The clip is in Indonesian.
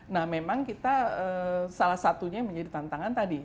nah memang kita salah satunya yang menjadi tantangan tadi